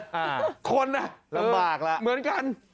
คนอ่ะลำบากแล้วเหมือนกัน